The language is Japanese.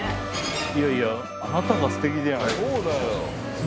いやいやあなたがすてきじゃない。